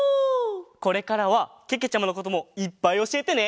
これからはけけちゃまのこともいっぱいおしえてね！